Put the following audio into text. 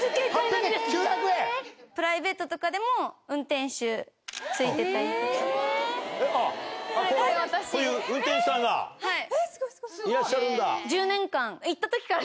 プライベートとかでも、運転手付いてたりとか。